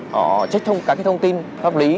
họ check các thông tin pháp lý